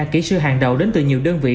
kỹ sư hàng đầu đến từ nhiều đơn vị